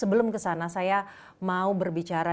sebelum kesana saya mau berbicara dulu mengenai pelajaran